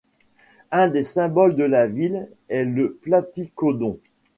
Un des symboles de la ville est le platycodon.